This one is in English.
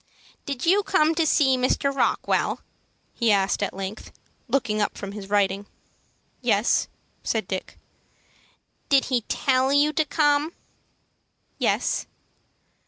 "Did you come to see Mr. Rockwell?" he asked, at length, looking up from his writing. "Yes," said Dick. "Did he tell you to come?" "Yes."